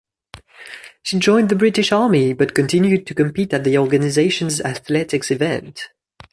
She joined the British Army, but continued to compete at the organisation's athletics events.